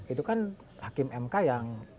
itu kan hakim mk yang